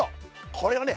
これをね